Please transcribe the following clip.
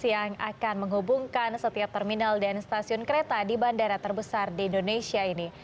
yang akan menghubungkan setiap terminal dan stasiun kereta di bandara terbesar di indonesia ini